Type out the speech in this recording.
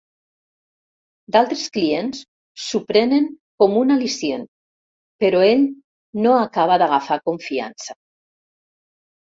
D'altres clients s'ho prenen com un al·licient, però ell no acaba d'agafar confiança.